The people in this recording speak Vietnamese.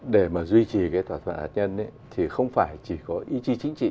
để mà duy trì cái thỏa thuận hạt nhân thì không phải chỉ có ý chí